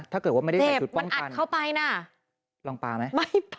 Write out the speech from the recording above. ถ้าเกิดว่าไม่ได้ใส่ชุดมันอัดเข้าไปน่ะลองปลาไหม